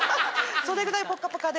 それぐらいポッカポカで。